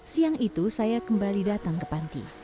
siang itu saya kembali datang ke panti